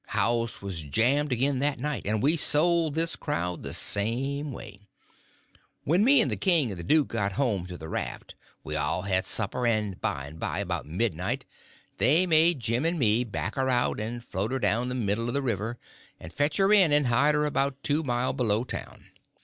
House was jammed again that night, and we sold this crowd the same way. When me and the king and the duke got home to the raft we all had a supper; and by and by, about midnight, they made Jim and me back her out and float her down the middle of the river, and fetch her in and hide her about two mile below town.